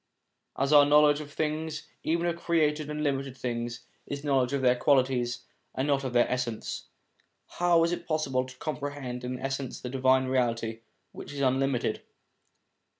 As our knowledge of things, even of created and limited things, is knowledge of their qualities and not of their essence, how is it possible to comprehend in its essence the Divine Reality, which is unlimited?